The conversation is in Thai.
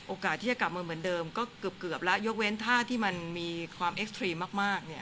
โอกาสที่จะกลับมาเหมือนเดิมก็เกือบแล้วยกเว้นท่าที่มันมีความเอ็กซ์ตรีมากเนี่ย